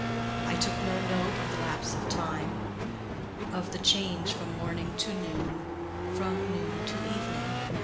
I took no note of the lapse of time—of the change from morning to noon, from noon to evening.